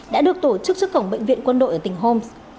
đã được tổ chức trước cổng bệnh viện quân đội ở tỉnh homes